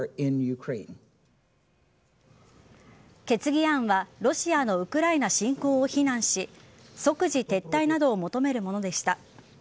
決議案はロシアのウクライナ侵攻を非難し即時撤退などを求めるものでした。